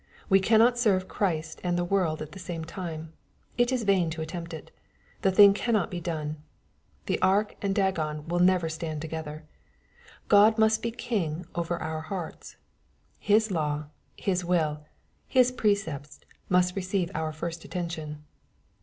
We cannot serve Christ and the world at the same time. It is ^ainto attempt it. The thing cannot be done. The ark and Dagon will never stand together. God must be king over our hearts. His law, His will, His precepts must receive our first attention.